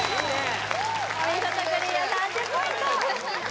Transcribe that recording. お見事クリア３０ポイント